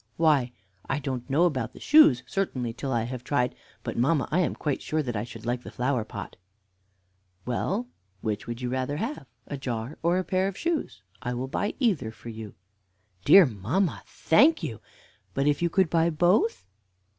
"Why, I don't know about the shoes, certainly, till I have tried; but, mamma, I am quite sure that I should like the flower pot." "Well, which would you rather have, a jar or a pair of shoes? I will buy either for you." "Dear mamma, thank you but if you could buy both?"